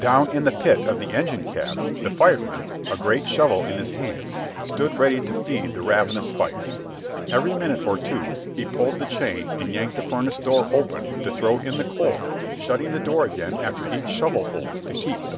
Down in the pit of the engine cab the fireman, a great shovel in his hands, stood ready to feed the ravenous fires. Every minute or two he pulled the chain and yanked the furnace door open to throw in the coal, shutting the door again after each shovelful, to keep the fire hot.